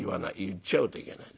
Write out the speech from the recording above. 言っちゃうといけない。